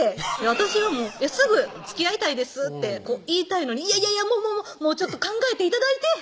私はすぐ「つきあいたいです」って言いたいのに「いやいやいやもうもうもうもうちょっと考えて頂いて」